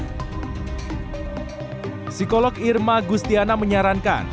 psikolog irma gustiana menyarankan